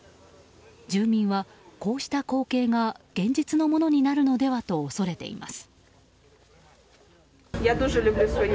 住民は、こうした光景が現実のものになるのではと恐れています。